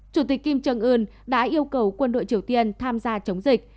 chủ tịch kim jong un đã yêu cầu quân đội triều tiên tham gia chống dịch